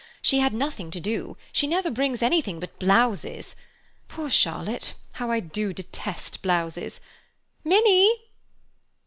She had nothing to do. She never brings anything but blouses. Poor Charlotte—How I do detest blouses! Minnie!"